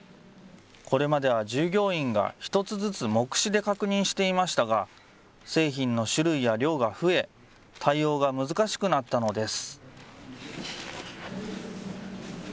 これまでは従業員が１つずつ目視で確認していましたが、製品の種類や量が増え、対応が難しくなったのです。